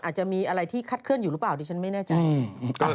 อาจจะมีอะไรที่คัดเคลื่อนอยู่หรือเปล่าดิฉันไม่แน่ใจ